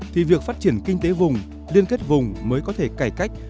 thì việc phát triển kinh tế vùng liên kết vùng mới có thể cải cách